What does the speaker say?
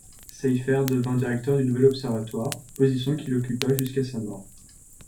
Seyfert devint directeur du nouvel observatoire, position qu'il occupa jusqu'à sa mort.